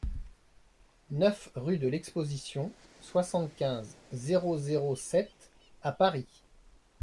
neuf rue de l'Exposition, soixante-quinze, zéro zéro sept à Paris